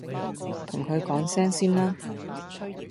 同佢講聲先啦！